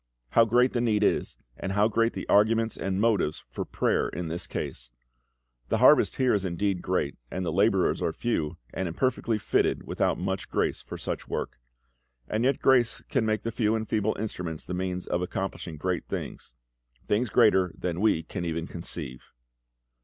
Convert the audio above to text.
How great the need is, and how great the arguments and motives for prayer in this case. The harvest here is indeed great, and the labourers are few, and imperfectly fitted without much grace for such a work. And yet grace can make the few and feeble instruments the means of accomplishing great things things greater than we can even conceive."